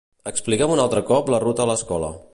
Explica'm un altre cop la ruta a l'escola.